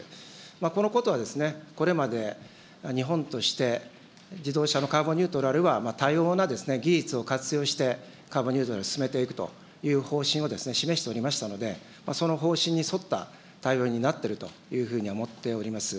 このことは、これまで日本として自動車のカーボンニュートラルは多様な技術を活用して、カーボンニュートラル進めていくという方針を示しておりましたので、その方針に沿った対応になっているというふうに思っております。